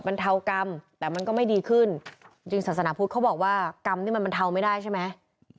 บรรเทากรรมแต่มันก็ไม่ดีขึ้นจริงศาสนาพุทธเขาบอกว่ากรรมนี่มันบรรเทาไม่ได้ใช่ไหม